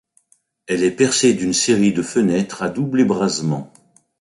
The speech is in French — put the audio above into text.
Elle est percée d'une série de fenêtres à double ébrasement.